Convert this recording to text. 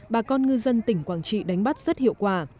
bà con ngư dân tỉnh quảng trị đánh bắt rất hiệu quả